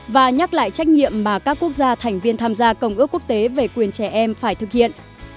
và nhắc lại trách nhiệm mà các quốc gia thành viên tham gia công ước quốc tế về quyền trẻ em phải thực hiện